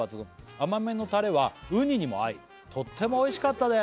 「甘めのタレはウニにも合いとってもおいしかったです」